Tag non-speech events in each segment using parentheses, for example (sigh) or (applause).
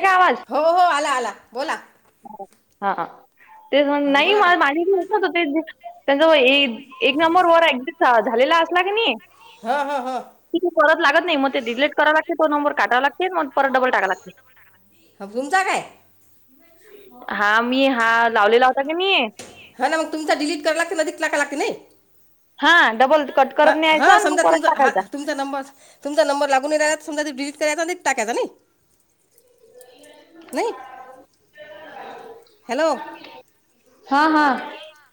ठ्यावाज. हो, हो. आला -आला बोला. हा. तेच हां नाही बोला ते माझ ना त्यांच. एक नंबर वर (unintelligible) झालेला असला कनी. हां हां हां कि ती परत लागत नाही. मग ते डिलिट करायला लागते. तो नंबर काटावा लागते. मग परत डबल टाकायला लागते. अजून (unintelligible) काय? हा. मी हा, लावलेला होता कनी. हा, ना. मग तुमचा डिलीट करायला लागतंय. ती केला का नाही. हा. डबल कट हां करत हां न्याहायचा. न मग समजा परत तुमचा हा टाकायचा. तुमचा नंबर, तुमचा नंबर लागूनही झाला तर. समजा डिलीट करायचा आणि परत टाकायचा. नाही. नाही. हॅलो. (unintelligible) हा, हा.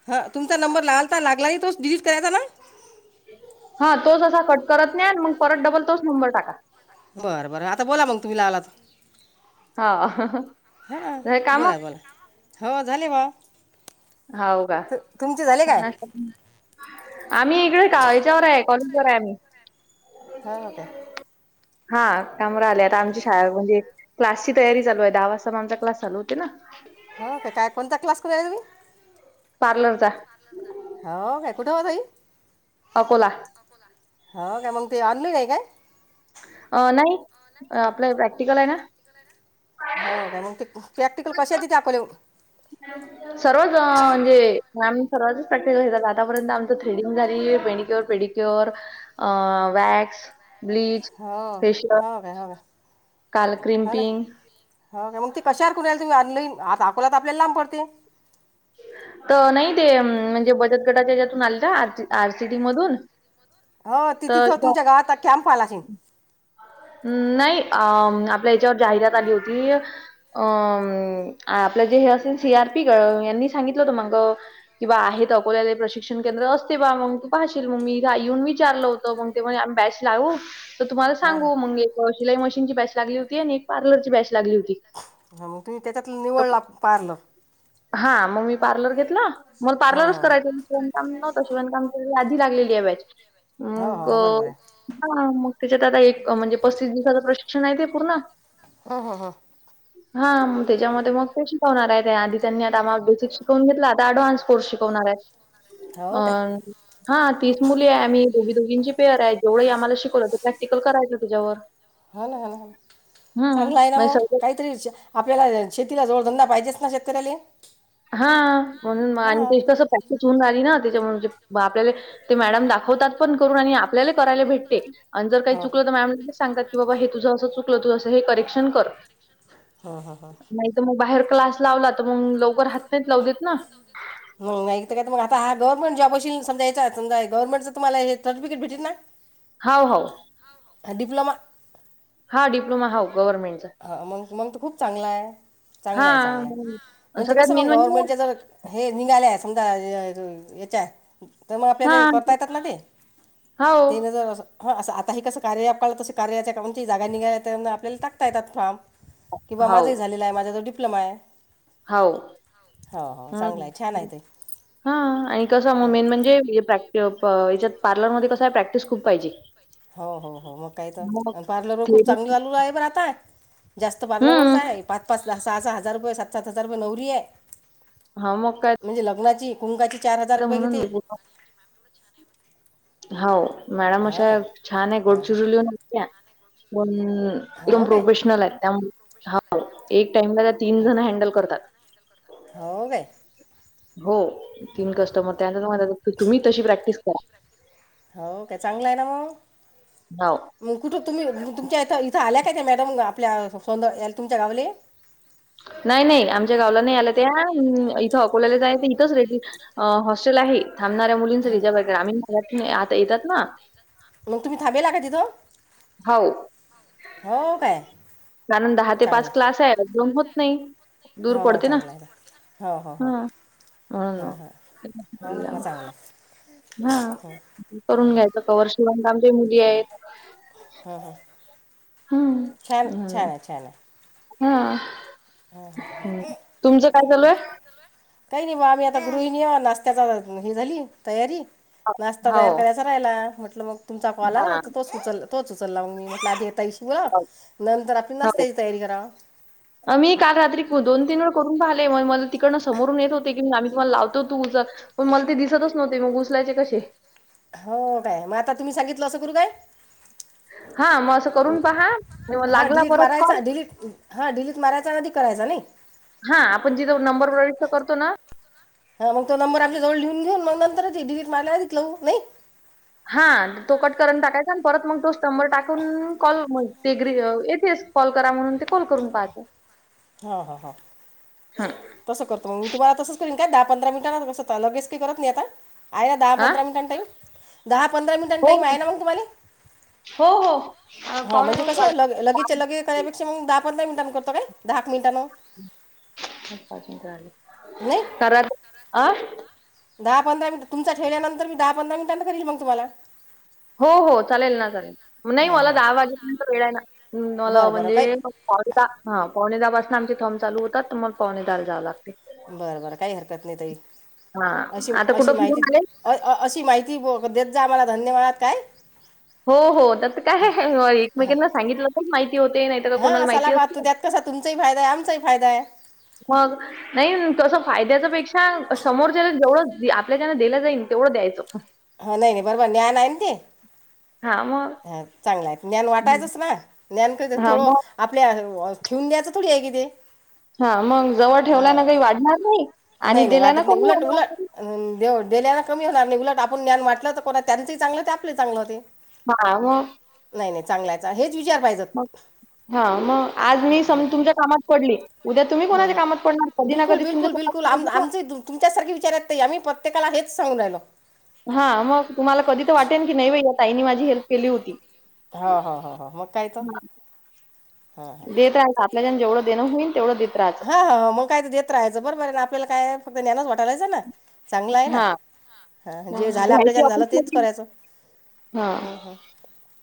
हा. तुमचा नंबर लावलता. लागला ही तोच डिलीट करायचा ना. हा. तोच असा कट करत न्या. न मग परत डबल, तोच नंबर टाका. बरं, बरं. आता बोला मग, तुम्ही लावला तर. हा, (unintelligible) हां कामं. बोला बोला हो झाले बुवा. हाव का. झाले काय आम्ही इकडे का, याच्यावरय. कॉलेजवरय य आम्ही. हा, काय. हा. काम राहिलेत. आमची शाळामध्ये. क्लासची तयारी चालूय. दहा वाजता मग आमचा क्लास चालू होते ना. हो, का. काय, कोणचा, क्लास करायला तुम्ही? पार्लरचा. हाव, काय? कुठं ओ ताई? अकोला. हाव काय? मग ते ऑनलाईन हाय काय? अ, नाही. आपलं प्रॅक्टिकलय ना. हो काय. मग ते प्रॅक्टिकल कशात दाखवलेव (unintelligible) सर्वच अ म्हणजे, मॅम सर्वाचच प्रॅक्टिकल घेतात. आतापर्यंत आमचं थ्रेडिंग झाली मेनिक्युलर, पेडिक्युलर क्यूअर, अ वॅक्स, ब्लीच हो, फेशियल हो का हो. काल झालं. क्रिम्पिंग हो, का? मग ती कशावर करू राहिले तुम्ही. ऑनलाईन. आत्ता अकोला तर आपल्याला लांब पडतय. त नाही ते म्हणजे, बचत गटाच्या ज्यातून आले ना R G, R C D मधून. हो. ति तिथं, तर तुमच्या गावात कॅम्प आला असेल. हम्, नाही. अ आपल्या याच्यावर जाहिरात आली होती. अं आपलं जे हे असेल सी आर पी यांनी सांगितलं होत मग. किंवा आहे अकोल्याले प्रशिक्षण केंद्र असते बा मग तू पाहशील मग येऊन विचारलं होतं मग. ते म्हणले बॅच लावू? तर तुम्हाला हां हां सांगू मग एक शिलाई मशीनची बॅच लागली होती आणि एक पार्लरची बॅच लागली होती. हा मग तुम्ही त्याच्यात तर निवडला पार्लर! हा, मग मी पार्लर घेतल मग हां पार्लरच हां हां करायचं होतं. शिवणकाम नव्हत शिवणकाम आधी लागलेली आहे बॅच हो हो मग हो बरोबर आहे ह मग त्याच्यात आता एक म्हणजे पस्तीस दिवसाचं प्रशिक्षण आहे ते पूर्ण. हा हा हा हा त्याच्यामध्ये मग ते शिकवणार आहे त्या आधी त्यांनी आता मग ते शिकवून घेतल आता अँडव्हान्स कोर्स शिकवणार आहेत हो काय अं हा तीस मुली आहे आम्ही दोघी दोघींची पेअर आहे जेवढंही आम्हाला शिकवलं ते प्रॅक्टिकल करायचं त्याच्यावर. हा ना हा ना ह हं, चांगला आहे ना म्हणजे मग सगळं काहीतरी विचार आपल्याला शेतीला जोडधंदा पाहिजेच ना शेतकऱ्याला. हा म्हणून आणि हां तेची कसं प्रॅक्टिस होऊन राहिली ना त्याच्या आपल्याला ते मॅडम दाखवतात पण करून आणि आपल्याला करायला भेटते. आणि जर काही हो चुकलं तर मॅम लगेच सांगतात की बाबा हे तुझं असं चुकलं तू असं हे करेक्शन कर. हां हां हां. तर मग बाहेर क्लास लावला तर मग लवकर हात नाहीत लावु देत ना. म नाही तर का मग आ हा गवर्मंट जॉब असील समाजा याचा समजा गवर्नमेंटचं तम्हाला हे सर्टफिकेट भेटीत नाय? (inaudible) हाव हो. डीप्लोमा हा डिप्लोमा हाव गव्हरमेंटचा. मंग मंग तो खूप चांगला आहे चांगला आहे हां, चांगला आहे हो. म्हणजे सगळ्यात कसं मेन मग म्हणजे गव्हर्नमेंटच्या जर हे निघाले समजा याच्या तर मग आपल्याला हां, करता येतात ना ते हो, तीन हजार हा असं आता ह कसं कार्या अँप आला तसं कार्याच्या कडून जागा निघाल्या तर मग आपल्याला टाकता येतात फार्म. किंवा हो, माझंही झालेलं आहे माझा आता डिप्लोमा आहे. हाव हो हो चांगला आहे छान आहे ते हा आणि कस म हां मेन म्हणजे प्रॅक् याच्यात पार्लर मध्ये कस आहे प्रॅक्टिस खूप पाहिजे. हो हो हो मग काही मग तर पार्लरवर खूप थेरी चांगलं चालू आहे बरं आता. जास्त पार्लरवरच हं, आहे पाच पाच सहा सहा हजार रुपये सात सात हजार रुपये नवरी आहे. हा म काय म्हणजे लग्नाची कुंकाची चार हजार तर रुपये म्हणून घेती. हाव मॅडम हो अशा काय छान आहे हां हां गोडचिरुल्या नसत्या पण एकदम हो काय प्रोफेशनल हायत त्या एक टाइमला त्या तीन हां जण हँडल करतात. हो वे हो तीन कस्टमर त्यांचा तुम्ही तशी प्रॅक्टिस करा. हो काय चांगलंय ना मग हो. मग कुठं तुम्ही तुमच्या इथं इथं आल्या काय त्या मॅडम आपल्या सोंद याला तुमच्या गावले नाही नाही आमच्या गावला नाही आल त्या इथं अकोल्याला जायच इथंच रेडी अ हॉस्टेल आहे थांबणाऱ्या मुलींसाठी ज्या ग्रामीण भागातून आता येतात ना. मग तुम्ही थांबलेला का तिथं? हाव हो काय कारण दहा ते पाच क्लास आहे जाऊन होत नाही. दूर हो हो पडते ना चांगलं आहे हो हो हो हा. हां हो हां हो हो ना चांगलं आहे. हा करून घ्यायचं कवर शिवनला आमचे मुली आहेत. ह ह हं. छान छान आहे छान आहे. हा. ह हा ह आहे? काही नाही बा आम्ही आता गृहिणी नाशत्याचा हे झाली तयारी नाश्ता हो. तयार कराय करायला म्हटलं मग तुमचा काॅल आला हां. तोच उचल तोच उचलला मग मी म्हटलं आधी या ताईशी बोलाव हो. नंतर आपण नाश्त्याची तयारी कराव. आ मी काल रात्री दोन तीन वेळ करून पाहिले मग मला तिकडं समोरून येत होते की आम्ही तुम्हाला लावतो तु जर पण मला ते दिसतच नव्हते मग उचलायचे कशे? हो काय मग आता तुम्ही सांगितलं असं करू काय? हां, मग असं करून पहा. मग हा लागला डलीट परत मारायचा कॉल डिलीट हा डिलीट मारायचा आध करायचा नाही ह (unintelligible) हा आपण जिथे नंबर प्रविष्ट करतो ना हां मग तो नंबर आमच्याजवळ लिहून घेऊ मग नंतरच डिलीट मारलं नायी हा तो कट कून टाकायचा आणि परत मग तो स्टंबर टाकून कॉल ते ग्री येतेस कॉल करा म्हणून ते कॉल करून पाहत्या हा ह हं तस करतो मी तुम्हाला तसं करीन का दहा पंधरा मिनटं कसं लगेच काही करत नाही आता आहे ना दहा आ? पंधरा मिनटां टाईम दहा पंधरा मिनटांन हो, टाईम हो. आहे ना मग तुम्हाला. हो हो अ, हा पावणे म्हणजे कसं लग लगेचच्या लगेच वाजले. करण्यापेक्षा मग दहा पंधरा मिनट करतो काय दहा एक मिनिटांन (unintelligible) नाही (inaudible) दहा पंधरा मिनट तुमचा ठेवल्यानंतर मी दहा पंधरा मिनटांन करीन मी तुम्हाला हो हो चालेल ना चालेल नाही हां मला हां दहा वाजेपर्यंत वेळ आहे ना मला बरं बरं म्हणजे काही फ पावणेदा हा पावणे दहा पाासून आमचे थंम चालू होतात तर मग पावणे दाहाला जावे लागते. बरं बरं काही हरकत नाही ताई हां. अशी आता अशी कुठं माहिती फिरून आले? अ अशी माहिती देत जा आम्हाला धन्यवाद काय? हो हो तसं काय एकमेकांना सांगितलं तर माहिती होते नाहीतर का हा कोणाला माहिती सालाबाद असते. तो त्यात कसा तुमचाही फायदाय आमचाही फायदाय. मग नाही तसं फायद्याच्या पेक्षा समोरच्या जेवढं आपल्याचानं दिलं जाईल तेवढं द्यायचं. हा नाही नाही बरोबर ज्ञान आहे ना ते? हा मं ह चांगला आहे ज्ञान वाटायचंच ना ज्ञान क हां, थोडं मग आपल्या ठेवून द्यायचं थोडींय कि ते हा मग जवळ ठेवल्या ना हां काही वाढणार नाही आणि दिल्या ना कमी होणार नाही. देल्याना कमी होणार नाही उलट आपण ज्ञान म्हटलं तर कोणा त्यांचही चांगलं ते आपले चांगलं होतय. हा मं नाही नाही चांगयचा हेच विचार पाहिजे. मग हा मग आज मी सम तुमच्या कामात पडली. उद्या तुम्ही हं, कोणाच्या कामात पडणार हं. कधी ना कधी तुमचं (unintelligible) तुमसारखी विचारत आम्ही प्रत्येकाला हेच सांगू लागलो. हा मग तुम्हाला कधी तर वाटेल की नाही बाई या ताईने माझी हेल्प केली होती. ह हा ह ह मग काय तर हां हां आपल्याचाणं जेवढं देण होईल तेवढं देत राह हा हा मग काय तर देत राहाचं बरं बर आहे ना आपल्याला काय फक्त ज्ञनाच वाटालायचं ना चांगलंय ना हा हा जे झालं घ्यायची आपल्याचान झालं अपेक्षा तेच केली करायचं. हा हं, हं.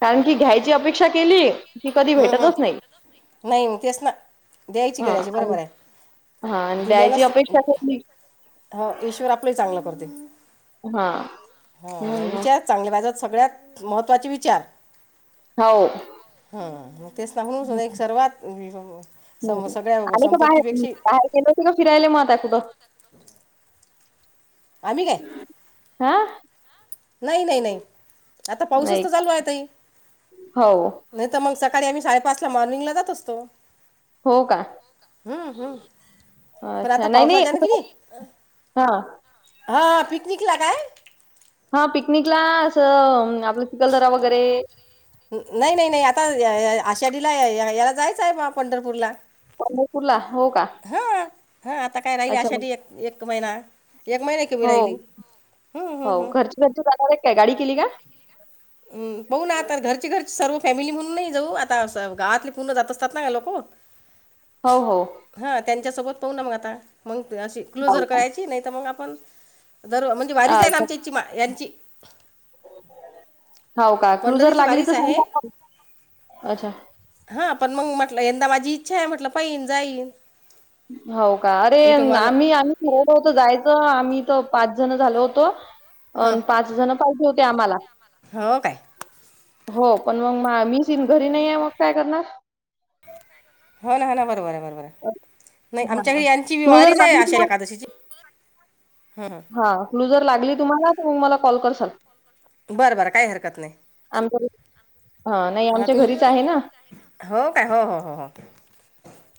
कारण की घ्यायची अपेक्षा केली की कधी हं, भेटतच हं. नाही. नाही म तेच ना द्यायची हा करायची. आणि बरोबरय हा आणि दिल्यालं द्यायची अपेक्षा केली हं ईश्वर आपलं चांगलं करतोय हा हा म्हणून नाही मग विचार चांगले माझा सगळ्यात महत्त्वाचे विचार हो हम तेच ना म्हणून हम्म. एक सर्वात (inaudible) सगळ्या कुठ बाहेर संपत्तीपेक्षा बाहेर गेलं होत का फिरायला मत कुठं आम्ही काय हा- नाही नाही नाही आता पाऊसच नाही तर का चालू आहे तई हो नाही तर मग सकाळी आम्ही साडेपाच ला मॉर्निंग ला जात असतो हो का हम्म हम्म पण आता अच्छा नाही पावसाच्या नाही ना कि नाही हा हा पिकनिक ला काय हा पिकनिकला असं आपलं चिखलदरा वगैरे नाही नाही नाही आता आषाढीला याला जायचं आहे मला पंढरपूरला पंढरपूरला हो का हा आता काय राहिल अच्छा मग आषाढी एक एक महिना एक महिना कमी हो, राहिली हं, हो हं, हं. घरची घरची जाणार आहेत काय गाडी केली का हम पाहु ना आता घरची घरची सर्व फॅमिली म्हणून नाही जाऊ आता अस गावातले पूर्ण जात असतात ना लोक हो हो हा त्यांच्यासोबत पाहु ना मग आता मग अशी हो क्लोजर का? करायची नाही तर मग आपण जर म्हणजे वारीच आहे ना अच्छा. आमच्याची यांची हाव का क्लूजर पंढरीची लागली तर वारीच आहे सांगता का अच्छा हा पण मग म्हटलं यंदा माझी इच्छा आहे म्हटलं पाहीन जाईन हो का अरे विठोबानं आम्ही आम्ही ठरवलं होत जायचं आम्ही तर पाच जण झालो होतो अ हं पाच जण पाहिजे होते आम्हाला हो काय हो पण मग म मी सी घरी नाही आहे मग काय करणार हो ना ह ना बरोबर आहे बरोबर आहे नाही आमच्या हां. घरी यांची क्लुजर वारीच आहे लागली आषाढी ना एकादशीची ह हा क्लूजर लागली तुम्हाला तर मग मला कॉल करसाल बरं बरं काही हरकत नाही हा नाही हां आमच्या तुम घरीच आहे ना हो काय हो हो हो हो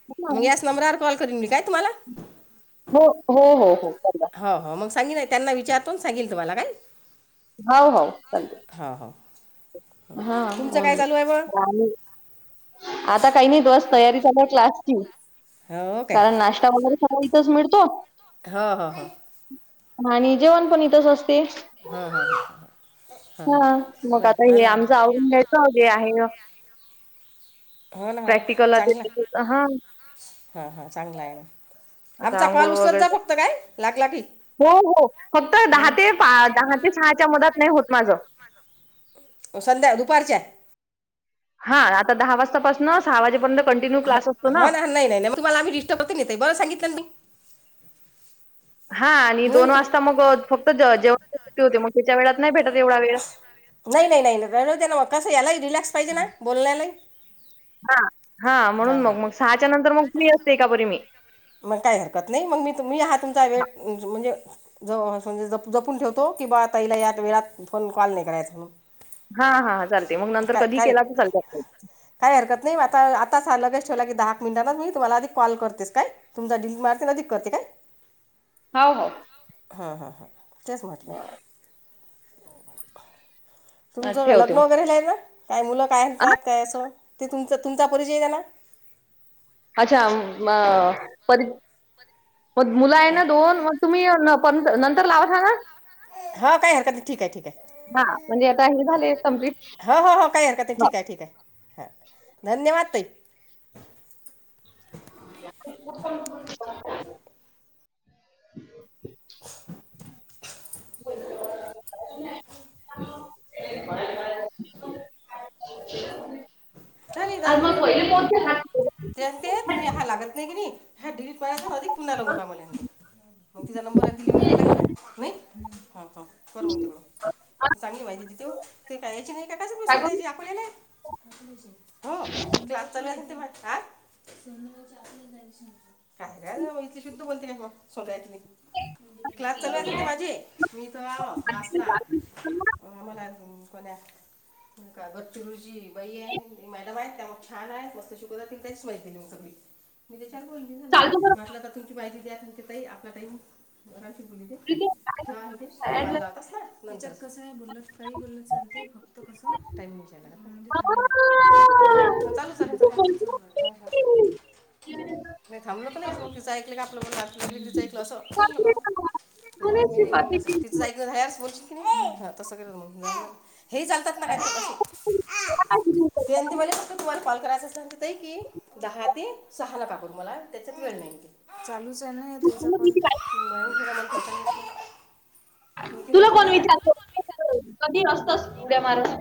ना. मग याच नंबरावर कॉल करीन मी काय तुम्हाला हो हो हो हो चांगला आहे हो हो मग सांगीन त्यांना विचारतोन‌ सांगेल तुम्हाला काय हो हो चालतय हा हा हा होय जाऊन ये आता काही नाही बस तयारी चालू आहे क्लासची हो काय कारण नाश्ता वगैरे तीथंच मिळतो हो हो हो आणि जेवन पण इथंच असते ह हा ह हा ह हा मग आता हे आमचं आवरून घ्यायचं अगे आहे हे हो ना प्रॅक्टिकल देते कुठ हा हा हा चांगला आहे ना आता आमचा आंघोळ कॉल उचलत जा वगैरे फक्त काय लागला की अहो, हो हो फक्त दहा ते दहा ते सहाच्या मधात नाही होत माझं संध्या दुपारच्या हा आता दहा वाजतापासनं सहा वाजेपर्यंत कंटिन्यू क्लास असतो ना तुमला्हीिष्टपतीेत नेतय ब सांगितलं न मी हा आणि म्हणून दोन तू- वाजता मग फक्त जेवणाची सुट्टी होते मग त्याच्या वेळात नाही भेटत एवढा वेळ. नाही, नाही, नाही, नाही राहु द्या ना मग कसं यालाही रिलॅक्स पाहिजे ना बोलण्यालाही. हा, हा म्हणून हां हां मग, मग सहाच्या नंतर मग फ्री असते एका परी मी. मग काही हरकत नाही मग मी तुम्ही हा तुमचा वेळ म्हणजे. जवा जपून ठेवतो किंवा आता ताईला या वेळात फोन कॉल नाही करायच म्हणून. हा, हा चालते मग नंतर कधीही केला तर चालत असते. काही हरकत नाही आता, आताच लगेच ठेवला की दहा, एक मिनिटांच मी तुम्हाला आधी कॉल करतेस काय. तुमचा डिम मारते आधीक करतेय काय? हाव, हाव. ह, ह, ह तेच म्हटलं. अ, तुमचं ठेवते लग्न मग वगैरे नाहीना काय मुलं काय आ म्हणतात काय असं ते तुमच तुमचा परिचय देणार? अच्छा प म मुलं आहे ना दोन. तुम्ही हे फोन नंतर लावसान? हो काही हरकत नाही ठीक आहे ठीक आहे हा म्हणजे आता हे झालीय कंप्लीट हो, हो, हो काही हरकत नाही ठीक आहे, ठीक आहे हां धन्यवाद ताई. या कोण, कोण. हं ह (unintelligible) झाले दहा आज मिंनट. मग पहिले कोणते हात ते तुम्ही हा लागत नाही कि नाही हा डिलीट मारायचा अधिक पुन्हा लावुन पाहा म्हणे मग तिचा नंबर आहे तो ह लिहून ठेवलंय लागिन काय नाही ह ह कर मग तिकड. चांगली माहिती देतेव ते काय यायची नाही का कस पण काय करू शोधायची आपल्याले. हो क्लास चालू आहे ते म्हट आज. काय, काय इथे शुद्ध बोलतेन मग सोन्यातले. क्लास चालू आहे म्हणते माझे. मी तो आव क्लासला मला कोणा का गचु रोजी बाई आहे मॅडम आहे त्या मग छान आहेत मस्त शिकवता तेले काहीच माहिती नाही मग सगळी. मी त्याच्याला बोलली म्हणा चालतो बरं म्हटलं आ तुमची माहिती द्या ताई आपला काही कुणाची मुलगी आहे. काय म्हणते तुम्ही फाॅल लावत असान. याचावर कसं आहे बोल काही बोललं चालते फक्त कस टाईम म्हणजे थांबा लागते. ह, चालू, चालू काय करायचं? नाही थांबलं पण नाही मग तिचं ऐकलं का आपलं मन लाग तिचं ऐकलं असं थांबलं का? कोणी सीमाती कुरकुर. (unintelligible) कि नाही तसं हे चालतात ना काय. हवाटंती (unintelligible) ते म्हणते मले तुम्हाला कॉल करायचं असलान ताई की दहा ते सहा नका करूं मला त्यांच्यात वेळ नाहीं चालूच त्याणा पणं तिचं (unintelligible) पणं तिण तुला कोण ठेवला विचारतं? कायं. कधी असतंच उद्या मारण